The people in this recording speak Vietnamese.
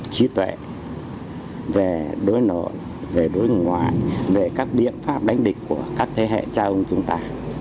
trí tuệ về đối nội về đối ngoại về các biện pháp đánh địch của các thế hệ cha ông chúng ta